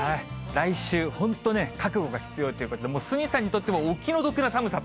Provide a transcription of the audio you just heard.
来週、本当ね、覚悟が必要というか、鷲見さんにとってもお気の毒な寒さと。